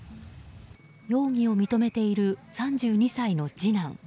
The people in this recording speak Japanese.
容疑を認めている３２歳の次男。